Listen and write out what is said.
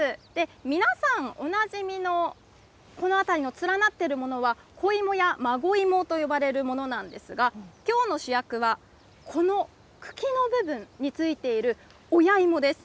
皆さんおなじみのこのあたりの連なってるものは、子芋や孫芋と呼ばれるものなんですが、きょうの主役は、この茎の部分についている親芋です。